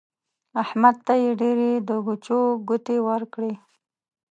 احمد ته يې ډېرې د ګوچو ګوتې ورکړې.